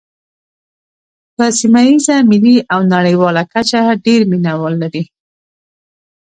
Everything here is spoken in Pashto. په سیمه ییزه، ملي او نړیواله کچه ډېر مینوال لري.